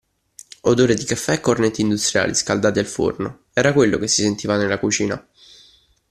Odore di caffè e cornetti industriali scaldati al forno era quello che si sentiva nella cucina